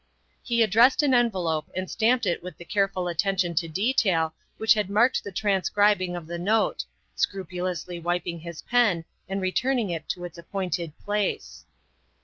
He addressed an envelope and stamped it with the careful attention to detail which had marked the transcribing of the note, scrupulously wiping his pen and returning it to its appointed place.